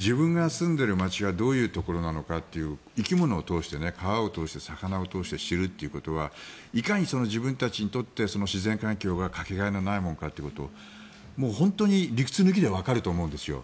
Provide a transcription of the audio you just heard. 自分が住んでいる街がどういうところなのかと生き物を通して、川を通して魚を通して知るということはいかに自分たちにとって自然環境がかけがえのないものかと理屈抜きでわかると思うんですよ。